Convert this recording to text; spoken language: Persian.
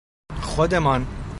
خودمان